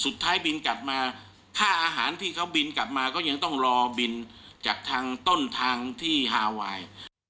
บินกลับมาค่าอาหารที่เขาบินกลับมาก็ยังต้องรอบินจากทางต้นทางที่ฮาไวน์